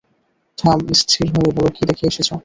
থাম স্থির হয়ে বল, কি দেখে এসেছ?